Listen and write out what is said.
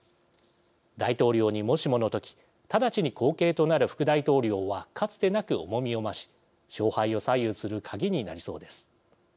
大統領に、もしもの時直ちに後継となる副大統領はかつてなく重みを増し勝敗を左右する鍵になりそうです。